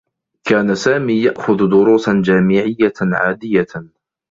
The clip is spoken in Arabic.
كان سامي يأخذ دروسا جامعيّة عاديّة.